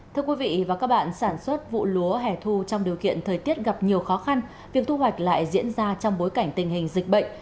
thưa quý vị và các bạn sản xuất vụ lúa hẻ thu trong điều kiện thời tiết gặp nhiều khó khăn việc thu hoạch lại diễn ra trong bối cảnh tình hình dịch bệnh